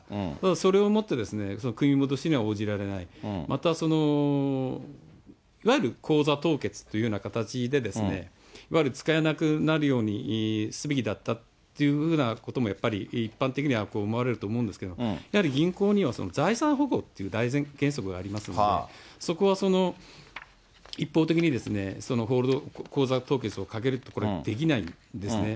それをもって組み戻しには応じられない、またその、いわゆる口座凍結というような形で、いわゆる使えなくなるようにすべきだったっていうふうなこともやっぱり、一般的には思われると思うんですけれども、やはり銀行には、財産保護っていう大原則がありますので、そこは一方的にホールド、口座凍結をかけるってことはできないんですね。